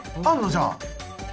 じゃあ。